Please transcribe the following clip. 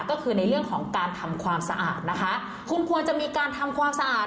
ก็คือในเรื่องของการทำความสะอาดนะคะคุณควรจะมีการทำความสะอาด